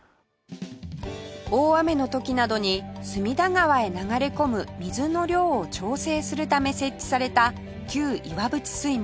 大雨の時などに隅田川へ流れ込む水の量を調整するため設置された旧岩淵水門。